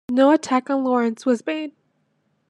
No attack on Lawrence was made.